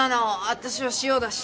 私は塩だし。